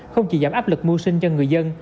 không chỉ giảm áp lực mưu sinh cho người dân